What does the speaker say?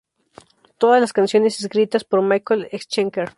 Todas las canciones escritas por Michael Schenker.